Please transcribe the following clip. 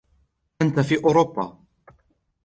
أنت في أوروبا!